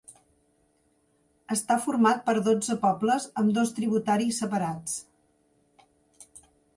Està format per dotze pobles amb dos tributaris separats.